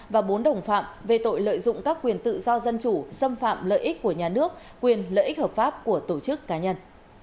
và bốn đồng phạm về tội lợi dụng các quyền tự do dân chủ xâm phạm lợi ích của nhà nước quyền lợi ích hợp pháp của tổ chức cá nhân